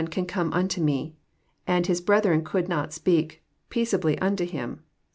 can come tinto Me," and " His brethren conld not speak peacea bly unto hira."